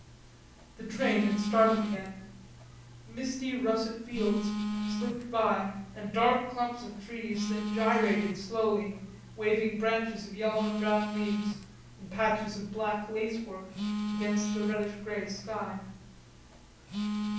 The train had started again. Misty russet fields slipped by and dark clumps of trees that gyrated slowly waving branches of yellow and brown leaves and patches of black lace work against the reddish grey sky.